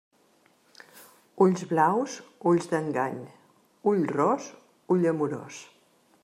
Ulls blaus, ulls d'engany; ull ros, ull amorós.